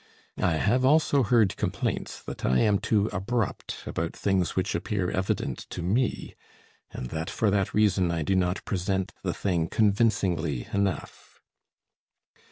I have also heard complaints that I am too abrupt about things which appear evident to me, and that for that reason I do not present the thing convincingly enough.